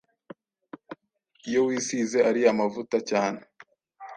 Iyo wisize ariya mavuta cyane